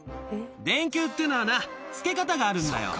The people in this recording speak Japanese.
電球っていうのはな、付け方があるんだよ。